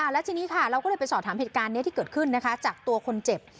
แล้วทีนี้ค่ะเราก็เลยไปสอบถามเหตุการณ์นี้ที่เกิดขึ้นจากตัวคนเจ็บ